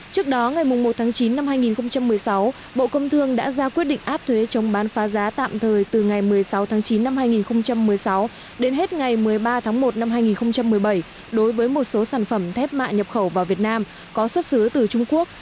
trước đó ngày một tháng chín năm hai nghìn một mươi sáu bộ công thương đã ra quyết định áp thuế chống bán phá giá tạm thời từ ngày một mươi sáu tháng chín năm hai nghìn một mươi sáu đến hết ngày một mươi ba tháng một năm hai nghìn một mươi bảy đối với một số sản phẩm thép mạ nhập khẩu vào việt nam có xuất xứ từ trung quốc